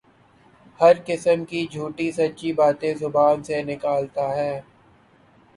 ہر قسم کی جھوٹی سچی باتیں زبان سے نکالتا ہے